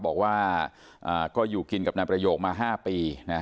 บอกว่าก็อยู่กินกับนายประโยคมา๕ปี